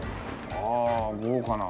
ああ豪華な。